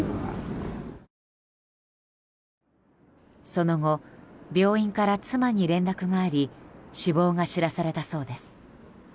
その後、病院から妻に連絡があり死亡が知らされたそうです。